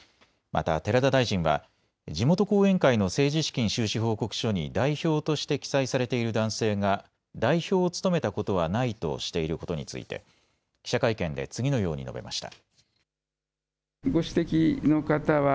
また寺田大臣は地元後援会の政治資金収支報告書に代表として記載されている男性が代表を務めたことはないとしていることについて記者会見で次のように述べました。